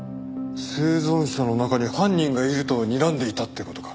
生存者の中に犯人がいるとにらんでいたって事か？